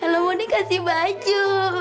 ella mau dikasih baju